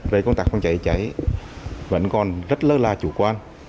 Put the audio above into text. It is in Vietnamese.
về công tác phong cháy cháy vẫn còn rất lớn là chủ quan